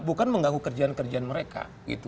bukan mengganggu kerjaan kerjaan mereka